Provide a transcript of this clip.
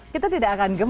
kita tidak akan gemuk